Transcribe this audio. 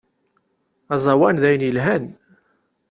Azawan dayen yelhan.